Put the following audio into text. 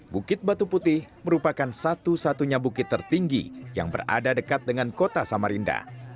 bukit batu putih merupakan satu satunya bukit tertinggi yang berada dekat dengan kota samarinda